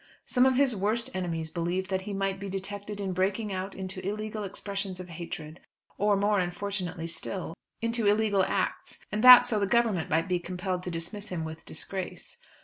Some of his worst enemies believed that he might be detected in breaking out into illegal expressions of hatred, or, more unfortunately still, into illegal acts, and that so the Government might be compelled to dismiss him with disgrace.